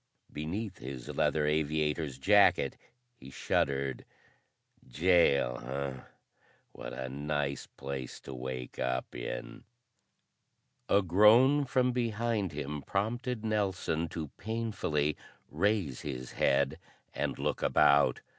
Beneath his leather aviator's jacket he shuddered. "Jail, eh? What a nice place to wake up in!" A groan from behind him prompted Nelson to painfully raise his head and look about.